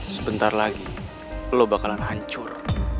sebentar lagi pulau bakalan hancur